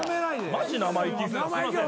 マジ生意気すいません。